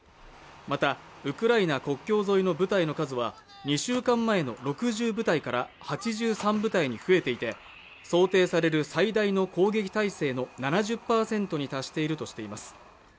また、ウクライナ国境沿いの部隊の数は２週間前の６０部隊から８３部隊に増えていて、想定される最大の攻撃態勢の７０％に達しているとしています。